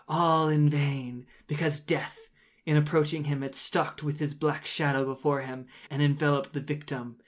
All in vain; because Death, in approaching him had stalked with his black shadow before him, and enveloped the victim.